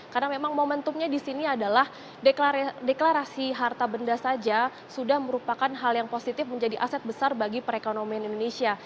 karena memang momentumnya di sini adalah deklarasi harta benda saja sudah merupakan hal yang positif menjadi aset besar bagi perekonomian di indonesia